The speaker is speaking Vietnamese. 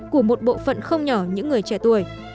của một bộ phận không nhỏ những người trẻ tuổi